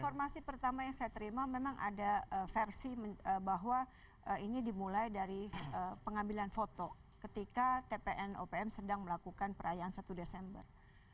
informasi pertama yang saya terima memang ada versi bahwa ini dimulai dari pengambilan foto ketika tpn opm sedang melakukan perayaan satu desember